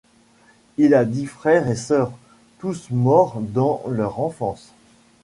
Il a dix frères et sœurs, tous morts dans leur enfance.